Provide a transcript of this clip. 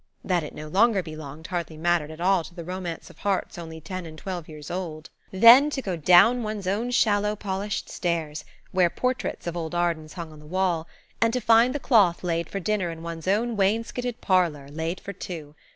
That it no longer belonged hardly mattered at all to the romance of hearts only ten and twelve years old. Then to go down one's own shallow, polished stairs (where portraits of old Ardens hung on the wall), and to find the cloth laid for dinner in one's own wainscoated parlour, laid for two.